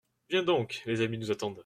Viens donc, les amis nous attendent.